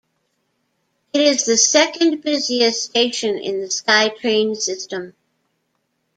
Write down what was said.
It is the second-busiest station in the SkyTrain system.